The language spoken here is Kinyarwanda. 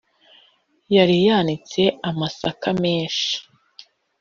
yari yanitse amasaka menshi,